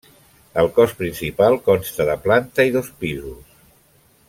El cos principal consta de planta i dos pisos.